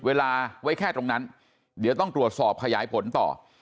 เวลาไว้แค่ตรงนั้นเดี๋ยวต้องตรวจสอบขยายผลต่อ